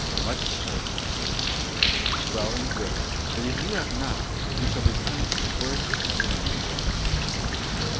"Much sir, I hope." "Well and good, but if you have not you shall be punished the worst that ever man was."